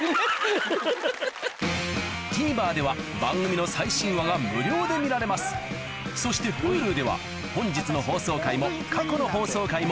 ＴＶｅｒでは番組の最新話が無料で見られますそしてＨｕｌｕでは本日の放送回も過去の放送回もいつでもどこでも見られます